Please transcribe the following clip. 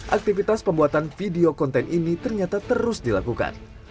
aktivitas pembuatan video konten ini ternyata terus dilakukan